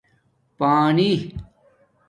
اپانݵ